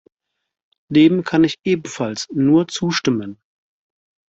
Dem kann ich ebenfalls nur zustimmen.